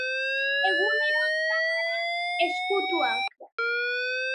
Ondoren, egunero, kamara ezkutuak.